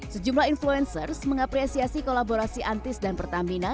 sejumlah influencers mengapresiasi kolaborasi antis dan pertamina